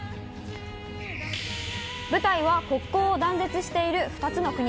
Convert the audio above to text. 舞台は、国交を断絶している２つの国。